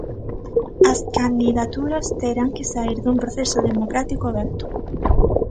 As candidaturas terán que saír dun proceso democrático aberto.